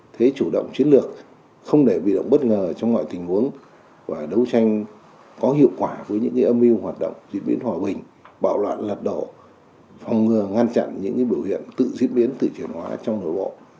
thế chủ động chiến lược không để bị động bất ngờ trong mọi tình huống và đấu tranh có hiệu quả với những âm mưu hoạt động diễn biến hòa bình bạo loạn lật đổ phòng ngừa ngăn chặn những biểu hiện tự diễn biến tự chuyển hóa trong nội bộ